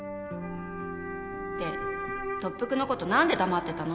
「で特服のこと何で黙ってたの？」